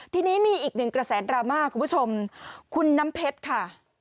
ทีนี้มีอีกหนึ่งกระแสดราม่าคุณผู้ชมคุณน้ำเพชรค่ะ